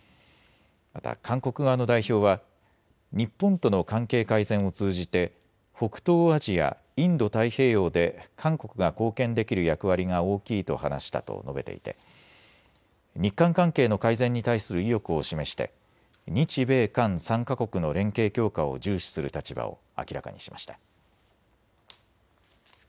また韓国側の代表は日本との関係改善を通じて北東アジア、インド太平洋で韓国が貢献できる役割が大きいと話したと述べていて日韓関係の改善に対する意欲を示して日米韓３か国の連携強化を重視する立場を明らかにしました。